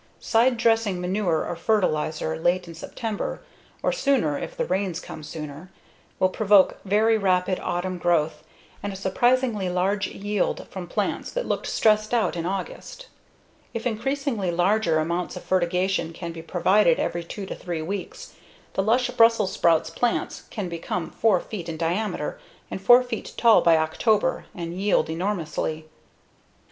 Side dressing manure or fertilizer late in September (or sooner if the rains come sooner) will provoke very rapid autumn growth and a surprisingly large yield from plants that looked stress out in August. If increasingly larger amounts of fertigation can be provided every two to three weeks, the lush Brussels sprouts plants can become 4 feet in diameter and 4 feet tall by October and yield enormously.